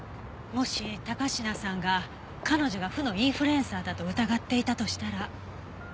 もし高階さんが彼女が負のインフルエンサーだと疑っていたとしたら。